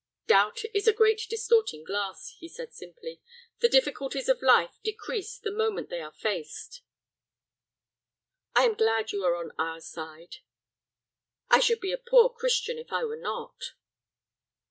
"Doubt is a great distorting glass," he said, simply; "the difficulties of life decrease the moment they are faced." "I am glad you are on our side." "I should be a poor Christian if I were not."